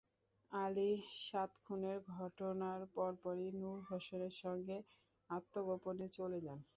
আলী সাত খুনের ঘটনার পরপরই নূর হোসেনের সঙ্গে আত্মগোপনে চলে যান।